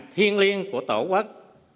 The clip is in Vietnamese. liên liên của tổ quốc